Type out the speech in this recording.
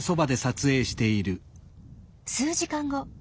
数時間後。